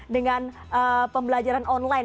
dengan pembelajaran online